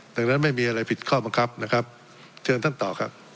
ดังนั้นไม่มีอะไรผิดข้อบังคับนะครับเชิญท่านต่อครับ